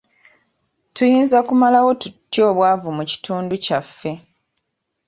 Tuyinza kumalawo tutya obwavu mu kitundu kyaffe.